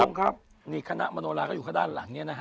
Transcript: คุณผู้ชมครับนี่คณะมโนราก็อยู่ข้างด้านหลังเนี่ยนะฮะ